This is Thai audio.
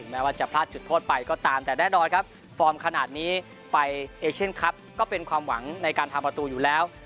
แม้ว่าจะพลาดจุดโทษไปก็ตามแต่แน่นอนครับฟอร์มขนาดนี้ไปเอเชียนคลับก็เป็นความหวังในการทำประตูอยู่แล้ว